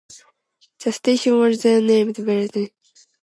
The station was then named Beltring and Branbridges Halt.